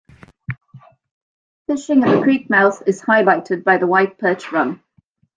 Fishing at the creek mouth is highlighted by the white perch run.